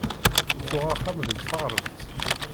Tuɣ axxam deg taɣremt.